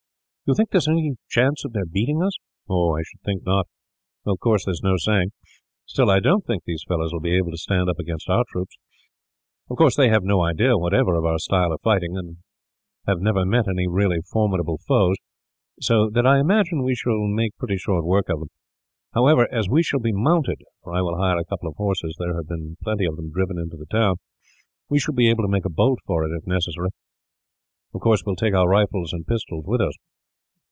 "You think that there is no chance of their beating us?" "I should think not, though of course there is no saying; still, I don't think these fellows will be able to stand against our troops. Of course, they have no idea, whatever, of our style of fighting, and have never met any really formidable foes; so that I imagine we shall make pretty short work of them. However, as we shall be mounted for I will hire a couple of horses, there have been plenty of them driven into the town we shall be able to make a bolt of it, if necessary. Of course, we will take our rifles and pistols with us."